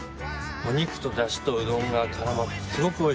お肉とダシとうどんが絡まってすごくおいしいです。